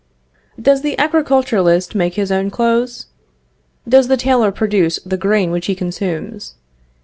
Does the agriculturist make his own clothes? Does the tailor produce the grain which he consumes?